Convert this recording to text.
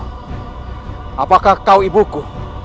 ibu apakah kau ibuku